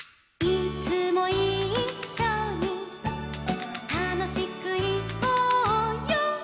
「いつもいっしょにたのしくいこうよ」